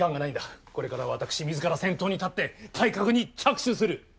これから私みずから先頭に立って改革に着手する！